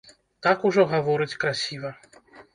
Так ужо гаворыць красіва.